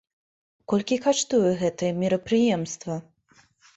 Колькі каштуе гэтае мерапрыемства?